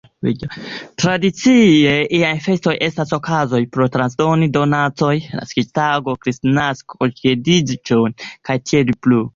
Tradicie iaj festoj estas okazoj por transdoni donacojn: naskiĝtago, Kristnasko, geedziĝo, kaj tiel plu.